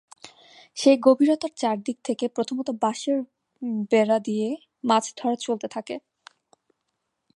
সেই গভীরতার চারদিক দিয়ে প্রথমত বাঁশের বেড়া দিয়ে মাছ ধরা চলতে থাকে।